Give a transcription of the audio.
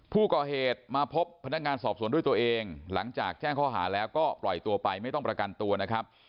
ผู้ก่อเหตุมาพบพนักงานสอบสวนด้วยตัวเองหลังจากแจ้งข้อหาแล้วก็ปล่อยตัวไปไม่ต้องประกันตัวนะครับ